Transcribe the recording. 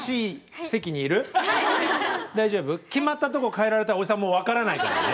決まったとこを替えられたらおじさんもう分からないからね。